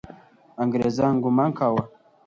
انګریزان ګمان کاوه.